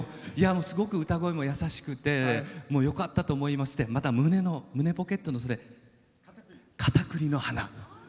すごく歌声も優しくてよかったと思いましてまた、胸ポケットのそれかたくりの花。